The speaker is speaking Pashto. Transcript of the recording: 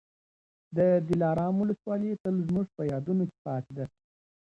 د دلارام ولسوالي تل زموږ په یادونو کي پاتې ده.